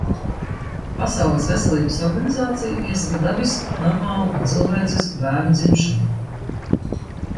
Pasaules Veselības Organizācija iesaka dabisku, normālu un cilvēcisku bērnu dzimšanu.